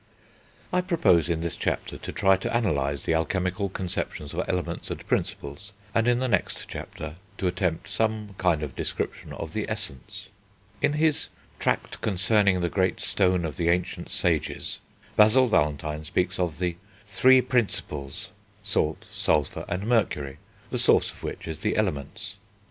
I propose in this chapter to try to analyse the alchemical conceptions of Elements and Principles, and in the next chapter to attempt some kind of description of the Essence. In his Tract Concerning the Great Stone of the Ancient Sages, Basil Valentine speaks of the "three Principles," salt, sulphur, and mercury, the source of which is the Elements.